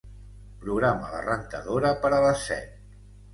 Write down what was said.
Programa la rentadora per a les set.